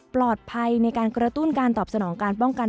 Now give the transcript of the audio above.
ในการกระตุ้นการตอบสนองการป้องกัน